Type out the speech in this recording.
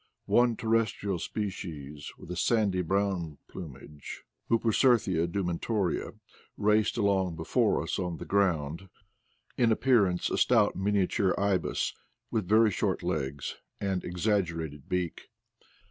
One terrestrial species, with a sandy brown plum age, TJpucerthia dumetoria, raced along before us on the ground, in appearance a stout miniature ibis with very short legs and exaggerated beak.